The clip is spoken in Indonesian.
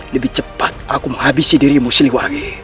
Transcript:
lebih cepat aku menghabisi dirimu siliwangi